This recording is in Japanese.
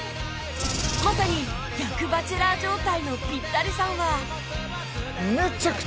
まさに逆バチェラー状態のピッタリさんは